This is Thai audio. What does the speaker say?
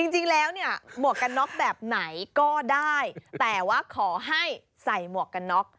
จริงแล้วเนี่ยหมวกกันน็อกแบบไหนก็ได้แต่ว่าขอให้ใส่หมวกกันน็อก